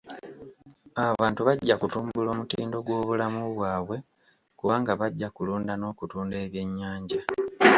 Abantu bajja kutumbula omutindo gw'obulamu bwabwe kubanga bajja kulunda n'okutunda ebyennyanja.